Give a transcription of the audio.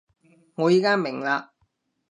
我而家明喇